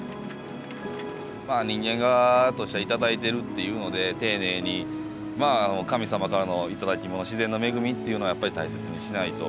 まあ人間側としては頂いてるっていうので丁寧に神様からの頂き物自然の恵みっていうのはやっぱり大切にしないと。